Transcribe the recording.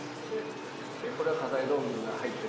これは家財道具が入ってる。